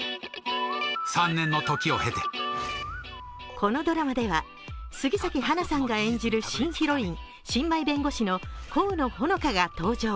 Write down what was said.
このドラマでは杉咲花さんが演じる新ヒロイン、新米弁護士の河野穂乃果が登場。